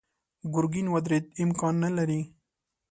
ګرګين ودرېد: امکان نه لري.